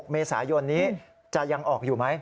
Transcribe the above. เมษายนนี้จะยังออกอยู่ไหม